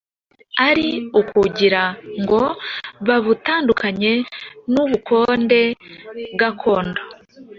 ari ukugira ngo babutandukanye n' ubukonde gakondo.